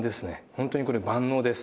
ホントにこれ万能です。